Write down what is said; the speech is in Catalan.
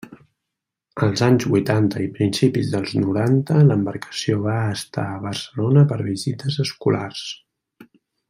Als anys vuitanta i principis dels noranta l'embarcació va estar a Barcelona per visites escolars.